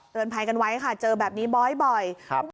เตือนภัยกันไว้ค่ะเจอแบบนี้บ่อย